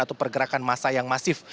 atau pergerakan masa yang masif